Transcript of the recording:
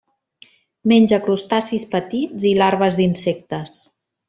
Menja crustacis petits i larves d'insectes.